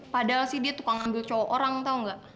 padahal dia tuh tukang ngambil cowok orang tau gak